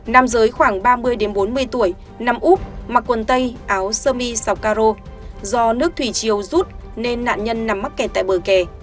nam giới khoảng ba mươi bốn mươi tuổi nằm úp mặc quần tây áo sơ mi sáu caro do nước thủy chiều rút nên nạn nhân nằm mắc kẹt tại bờ kè